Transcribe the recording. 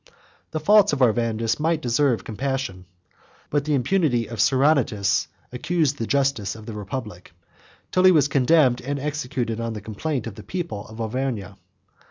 The faults of Arvandus might deserve compassion; but the impunity of Seronatus accused the justice of the republic, till he was condemned and executed, on the complaint of the people of Auvergne.